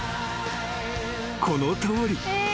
［このとおり］